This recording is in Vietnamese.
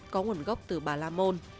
có nguồn gốc từ bà lamôn